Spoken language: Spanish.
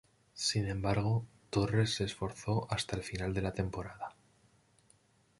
Sin embargo, "Torres" se esforzó hasta el final de la temporada.